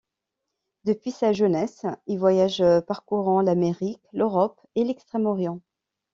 Depuis sa jeunesse il voyage, parcourant l’Amérique, l'Europe et l’Extrême-Orient.